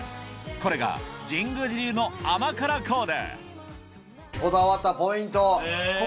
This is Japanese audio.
これが神宮寺流の甘辛コーデ